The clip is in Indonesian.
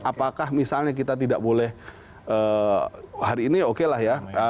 apakah misalnya kita tidak boleh hari ini oke lah ya